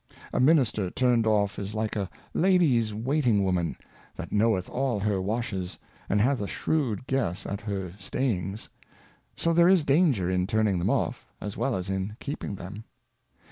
A Minister turned off is like a Lady's Waiting Woman, that ' knovreth all her Washes, and hath a shrewd guess at her Stray ings : So there is danger in turning them off, as well as in keeping them.